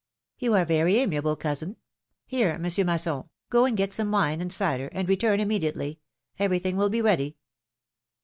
'^You arc very amiable, cousin! Here, Monsieur Mas son, go and get some wine and cider, and return immedi ately — everything will be ready."